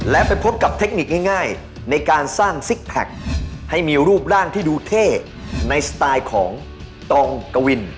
และไปพบกับเทคนิคง่ายในการสร้างซิกแพคให้มีรูปร่างที่ดูเท่ในสไตล์ของตองกวิน